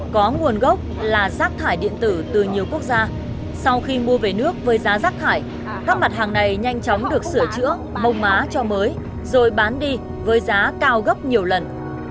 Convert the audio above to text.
có nguồn gốc là rác thải điện tử từ nhiều quốc gia sau khi mua về nước với giá rác thải các mặt hàng này nhanh chóng được sửa chữa mô má cho mới rồi bán đi với giá cao gấp nhiều lần